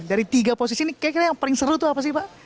dari tiga posisi ini kayaknya yang paling seru itu apa sih pak